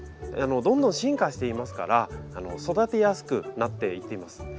どんどん進化していますから育てやすくなっていっています。